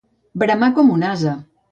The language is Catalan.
Bramar com un ase.